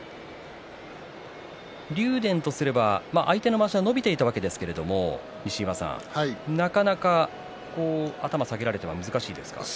竜電とすれば相手のまわしが伸びていたわけですけれどもなかなか頭を下げられては難しいですか？